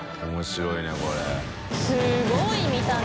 すごい見た目。